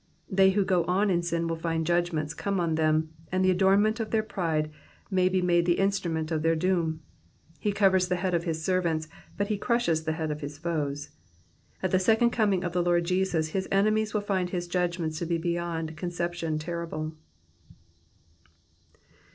They who go on in sm will find judgments come on them ; and the nuornment of their pride may be made the instrument of their doom. He covers the head of his servants, but he crushes the head of his foes. At the second coming of the Lord Jesus, his enemies will find his judgments to be beyond conception terrible.